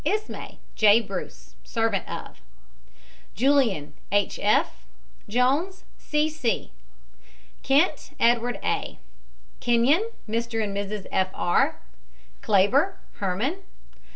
ISMAY, J. BRUCE, servant of. JULIAN, H. F. JONES, C. C. KENT, EDWARD A. KENYON, MR. AND MRS. F. R. KLABER, HERMAN.